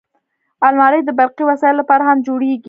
الماري د برقي وسایلو لپاره هم جوړیږي